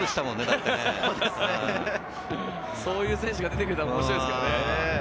そういう選手が出てくると面白いですよね。